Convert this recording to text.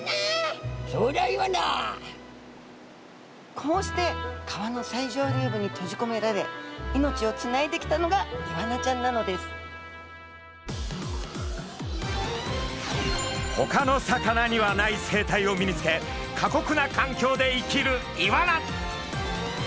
こうして川の最上流部に閉じこめられ命をつないできたのがイワナちゃんなのですほかの魚にはない生態を身につけ過酷な環境で生きるイワナ。